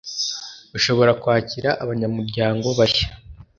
ushobora kwakira abanyamuryango bashya